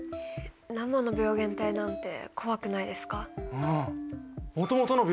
生の病原体なんて怖くないですか？